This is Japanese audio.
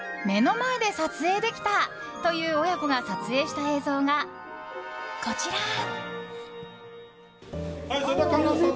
目の前で撮影できたという親子が撮影した映像がこちら。